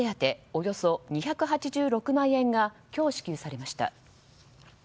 およそ２８６万円が今日、支給されました。